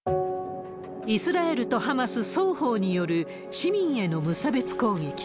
イスラエルとハマス、双方による市民への無差別攻撃。